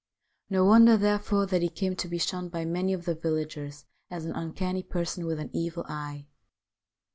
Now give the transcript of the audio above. No wonder, therefore, that he came to be shunned by many of the villagers as an uncanny person with an evil eye.